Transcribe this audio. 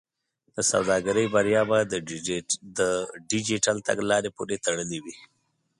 د سوداګرۍ بریا به د ډیجیټل تګلارې پورې تړلې وي.